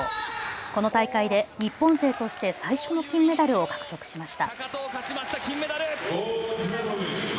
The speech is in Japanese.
この大会で日本勢として最初の金メダルを獲得しました。